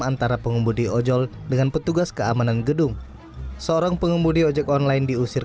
antara pengemudi ojol dengan petugas keamanan gedung seorang pengemudi ojek online diusir